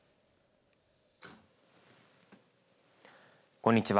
こんにちは。